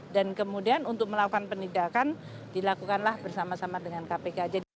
dan kemudian untuk melakukan pendidikan dilakukanlah bersama sama dengan kpk